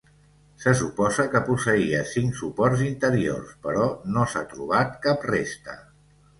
Se suposa que posseïa cinc suports interiors, però no s'ha trobat cap resta.